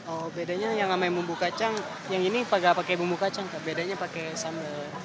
oh bedanya yang sama yang bumbu kacang yang ini pakai bumbu kacang bedanya pakai sambal